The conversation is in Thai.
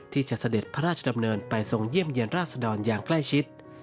เสด็จพระราชดำเนินไปทรงเยี่ยมเยี่ยนราชดรอย่างใกล้ชิด